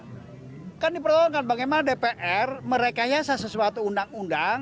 karena kan dipertolongkan bagaimana dpr mereka ya sesuatu undang undang